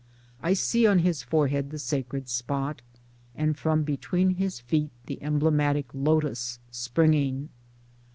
I see on his forehead the sacred spot, and from between his feet the emblematic lotus springing.